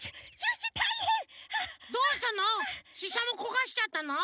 どうしたの？